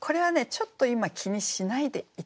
ちょっと今気にしないでいて下さい。